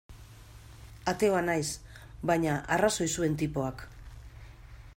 Ateoa naiz, baina arrazoi zuen tipoak.